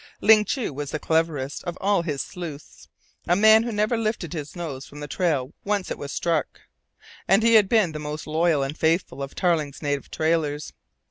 Ling Chu was the cleverest of all his sleuths, a man who never lifted his nose from the trail once it was struck, and he had been the most loyal and faithful of Tarling's native trailers.